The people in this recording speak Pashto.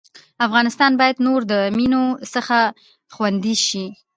افغانستان بايد نور د مينو څخه خوندي سي